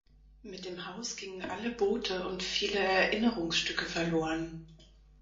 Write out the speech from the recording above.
Mit dem Haus gingen alle Boote und viele Erinnerungsstücke verloren.